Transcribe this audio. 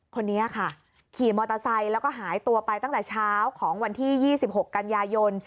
คนนี้ค่ะขี่มอเตอร์ไซค์แล้วก็หายตัวไปตั้งแต่เช้าของวันที่๒๖กันยายน